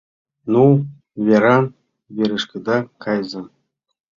— Ну, веран-верышкыда кайыза.